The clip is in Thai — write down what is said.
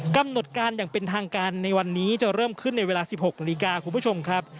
กำหนดการอย่างเป็นทางการในวันนี้จะเริ่มขึ้นในเวลา๑๖นาฬิกาคุณผู้ชมครับ